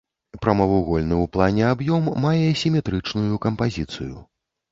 Прамавугольны ў плане аб'ём мае сіметрычную кампазіцыю.